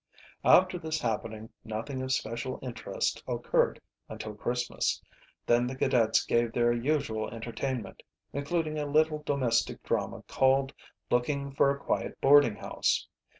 After this happening nothing of special interest occurred until Christmas. Then the cadets gave their usual entertainment, including a little domestic drama called "Looking for a Quiet Boarding House."